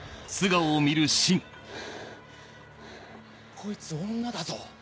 こいつ女だぞ。